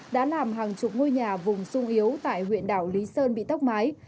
đã làm hàng chục ngôi nhà vùng sung yếu tại huyện đảo lý sơn bị tốc mái